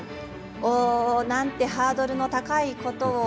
おおなんてハードルの高いことを。